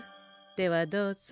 ではどうぞ。